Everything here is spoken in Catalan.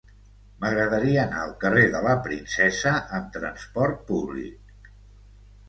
M'agradaria anar al carrer de la Princesa amb trasport públic.